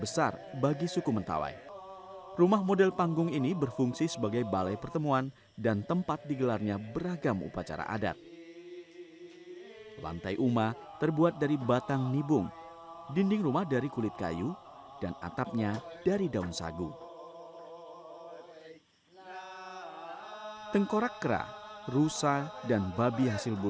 sikere menduduki posisi terhormat dalam susunan masyarakat mentawai